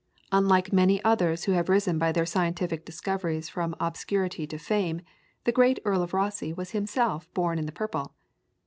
Unlike many others who have risen by their scientific discoveries from obscurity to fame, the great Earl of Rosse was himself born in the purple.